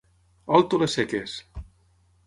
Alto les seques!